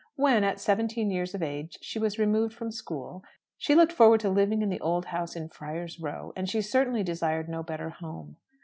When, at seventeen years of age, she was removed from school, she looked forward to living in the old house in Friar's Row, and she certainly desired no better home.